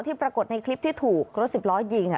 ปรากฏในคลิปที่ถูกรถสิบล้อยิง